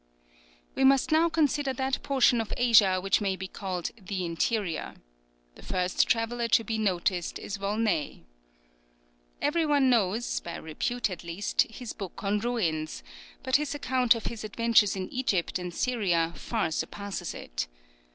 We must now consider that portion of Asia which may be called the interior. The first traveller to be noticed is Volney. Every one knows, by repute at least, his book on Ruins; but his account of his adventures in Egypt and Syria far surpasses it.